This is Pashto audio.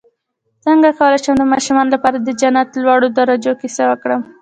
څنګه کولی شم د ماشومانو لپاره د جنت لوړو درجو کیسه وکړم